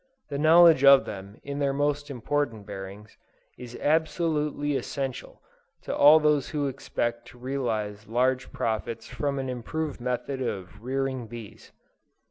The knowledge of them in their most important bearings, is absolutely essential to all who expect to realize large profits from an improved method of rearing bees.